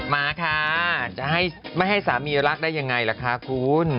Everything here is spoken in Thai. มาค่ะจะไม่ให้สามีรักได้ยังไงล่ะคะคุณ